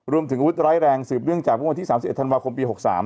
รวมถึงวุฒิร้ายแรงสืบเรื่องจากวันที่สามสิบเอ็ดธันวาคมปีหกสาม